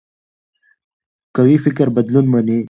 قوي فکر بدلون مني